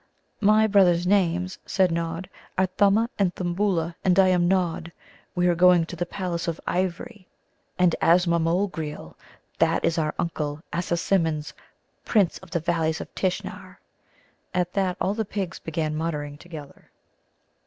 "My brothers' names," said Nod, "are Thumma and Thimbulla, and I am Nod. We are going to the palace of ivory and Azmamogreel that is our Uncle Assasimmon's, Prince of the Valleys of Tishnar." At that all the pigs began muttering together.